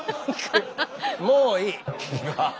もういい。